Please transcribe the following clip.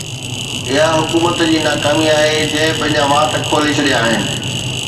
اِها حڪومت جي ناڪامي آهي، جنهن پنهنجا وات کولي ڇڏيا آهن